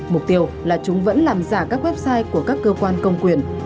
mục tiêu là chúng vẫn làm giả các website của các cơ quan công quyền